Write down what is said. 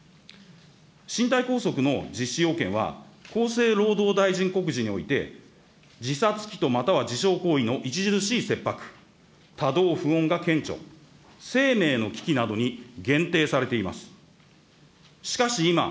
身体拘束の実施要件は、厚生労働大臣告示において、自殺企図または自傷行為の著しい切迫、多動、が顕著、生命の危機などに限定されています。